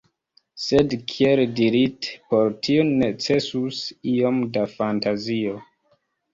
Sed kiel dirite, por tio necesus iom da fantazio.